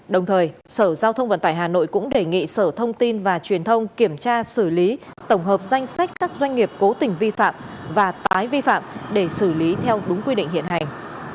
đồng thời sở giao thông vận tải hà nội cũng đề nghị sở thông tin và truyền thông kiểm tra xử lý tổng hợp danh sách các doanh nghiệp cố tình vi phạm và tái vi phạm để xử lý theo đúng quy định hiện hành